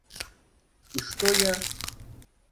И что я?